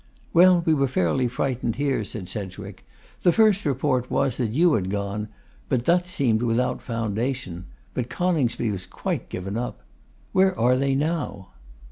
'Well, we were fairly frightened here,' said Sedgwick. 'The first report was, that you had gone, but that seemed without foundation; but Coningsby was quite given up. Where are they now?